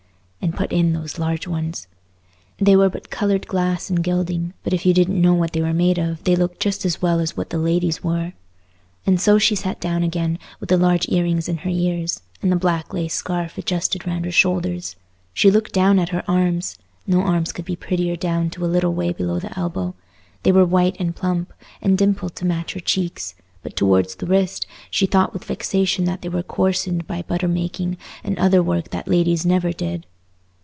—and put in those large ones. They were but coloured glass and gilding, but if you didn't know what they were made of, they looked just as well as what the ladies wore. And so she sat down again, with the large ear rings in her ears, and the black lace scarf adjusted round her shoulders. She looked down at her arms: no arms could be prettier down to a little way below the elbow—they were white and plump, and dimpled to match her cheeks; but towards the wrist, she thought with vexation that they were coarsened by butter making and other work that ladies never did.